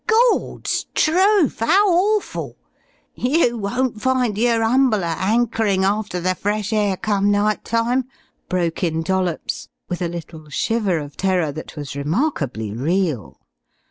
"Gawd's truf! 'Ow orful! You won't find yer 'umble a 'ankerin' after the fresh air come night time!" broke in Dollops with a little shiver of terror that was remarkably real.